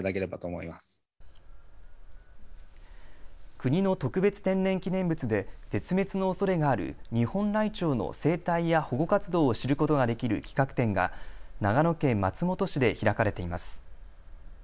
国の特別天然記念物で絶滅のおそれがあるニホンライチョウの生態や保護活動を知ることができる企画展が長野県松本市で開かれています。